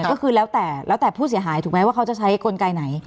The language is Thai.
ก็คือแล้วแต่แล้วแต่ผู้เสียหายถูกไหมว่าเขาจะใช้กลไกไหน